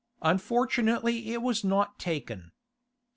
Unfortunately it was not taken.